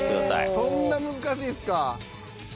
そんな難しいですか？